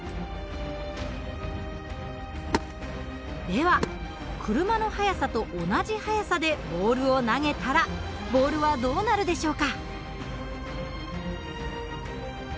では車の速さと同じ速さでボールを投げたらボールはどうなるでしょうか？